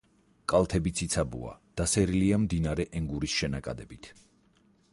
კალთები ციცაბოა, დასერილია მდინარე ენგურის შენაკადებით.